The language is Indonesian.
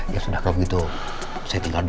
ya sudah kalau begitu saya tinggal dulu